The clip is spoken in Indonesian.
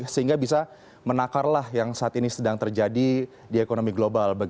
sehingga bisa menakarlah yang saat ini sedang terjadi di ekonomi global